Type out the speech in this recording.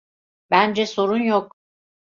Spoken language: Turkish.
Bence sorun yok.